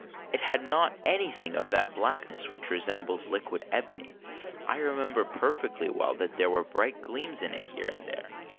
It had not anything of that blackness which resembles liquid ebony. I remember perfectly well that there were bright gleams in it here and there."